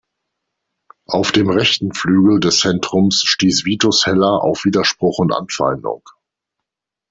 Auf dem rechten Flügel des Zentrums stieß Vitus Heller auf Widerspruch und Anfeindung.